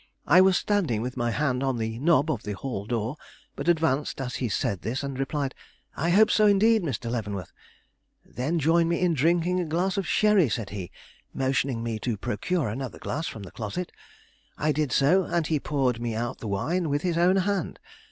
I was standing with my hand on the knob of the hall door, but advanced as he said this and replied, 'I hope so, indeed, Mr. Leavenworth.' 'Then join me in drinking a glass of sherry,' said he, motioning me to procure another glass from the closet. I did so, and he poured me out the wine with his own hand.